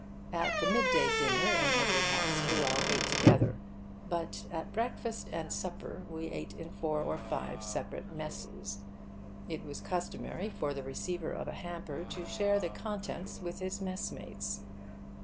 At the mid day dinner, in every house, we all ate together; but at breakfast and supper we ate in four or five separate 'messes.' It was customary for the receiver of a hamper to share the contents with his mess mates.